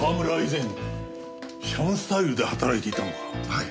はい。